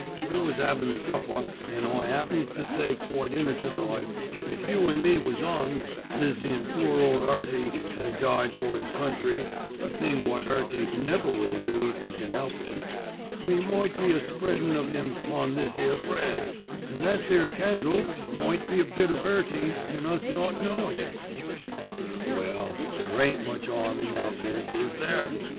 We was 'aving supper an' I 'appens to say quite innocent like: 'If you an' me was 'Uns, Lizzie and poor ole 'Earty 'ad died for 'is country, a thing wot 'Earty never will do if 'e can 'elp it, we might be a'spreadin' of 'im on this 'ere bread, and that there candle might be a bit of 'Earty an' us not knowin' it.' Well, there ain't much 'arm in that miss, is there?